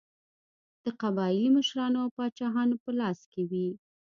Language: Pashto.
د قبایلي مشرانو او پاچاهانو په لاس کې وې.